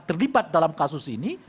terlibat dalam kasus ini